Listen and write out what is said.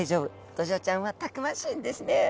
ドジョウちゃんはたくましいんですね。